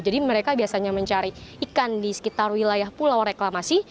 jadi mereka biasanya mencari ikan di sekitar wilayah pulau reklamasi